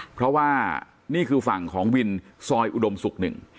เพราะว่านี่คือฝั่งของวินซอยอุดมศุกร์๑